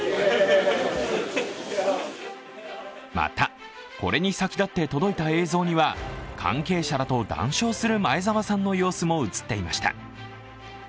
また、これに先立って届いた映像には関係者らと談笑する前澤さんの様子も映っていました。